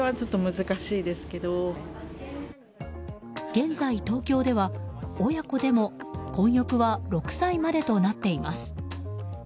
現在、東京では親子でも混浴は６歳までとなっています。